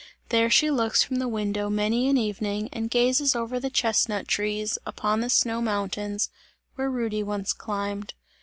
There she looks from the window many an evening and gazes over the chestnut trees, upon the snow mountains, where Rudy once climbed.